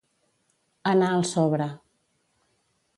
Anar al sobre.